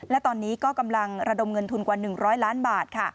และตอนนี้ก็กำลังระดมเงินทุนกว่า๑๐๐ล้านบาท